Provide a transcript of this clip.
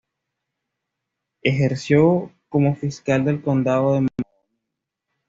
Ejerció como fiscal del condado de Mahoning.